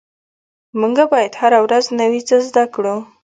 مونږ باید هره ورځ نوي څه زده کړو